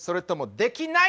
できない。